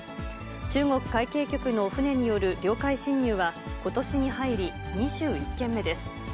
中国海警局の船による領海侵入は、ことしに入り、２１件目です。